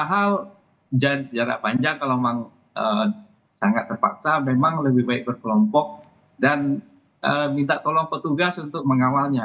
hal jarak panjang kalau memang sangat terpaksa memang lebih baik berkelompok dan minta tolong petugas untuk mengawalnya